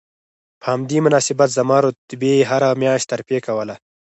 په همدې مناسبت زما رتبې هره میاشت ترفیع کوله